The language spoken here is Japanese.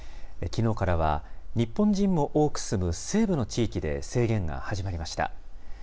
きのうからは、日本人も多く住む西部の地域で制限が始まりました。